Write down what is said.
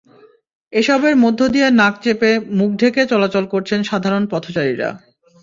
এসবের মধ্য দিয়ে নাক চেপে, মুখ ঢেকে চলাচল করছেন সাধারণ পথচারীরা।